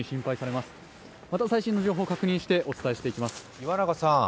また最新の情報を確認してお伝えしていきます。